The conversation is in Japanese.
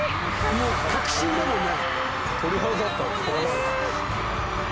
もう確信だもんね。